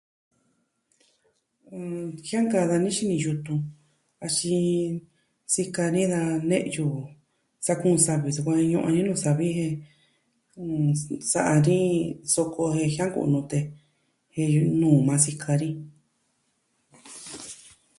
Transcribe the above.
ɨɨn... Jiankaa dani xini yutun, axin... sikɨ dani da ne'yu sa kuun savi jen ñu'un dani nuu savi jen... sa'a dani soko jen jianku'un nute. Jen nuu yukuan sikɨ dani.